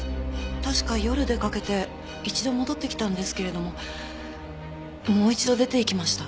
確か夜出かけて一度戻ってきたんですけれどももう一度出て行きました。